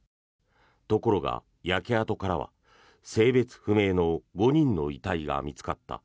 ところが、焼け跡からは性別不明の５人の遺体が見つかった。